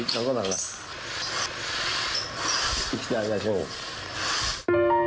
生きて会いましょう。